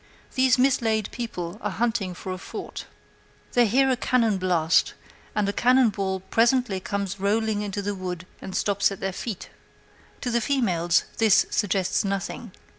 These mislaid people are hunting for a fort. They hear a cannonblast, and a cannon ball presently comes rolling into the wood and stops at their feet. To the females this suggests nothing.